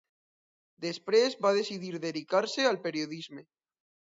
Després, va decidir dedicar-se al periodisme.